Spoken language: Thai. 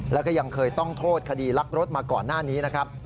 แล้วก็ยังเคยต้องโทษคดีลักรถมาก่อนหน้านี้นะครับ